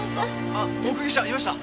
あっ目撃者いました！